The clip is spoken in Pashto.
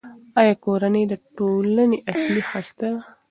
آیا کورنۍ د ټولنې اصلي هسته ده؟